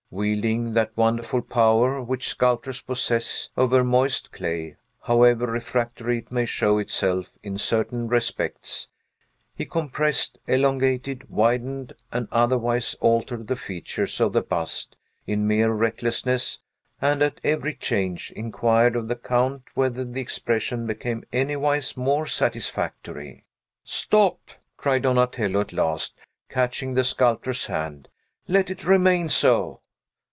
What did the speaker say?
Wielding that wonderful power which sculptors possess over moist clay, however refractory it may show itself in certain respects, he compressed, elongated, widened, and otherwise altered the features of the bust in mere recklessness, and at every change inquired of the Count whether the expression became anywise more satisfactory. "Stop!" cried Donatello at last, catching the sculptor's hand. "Let it remain so!"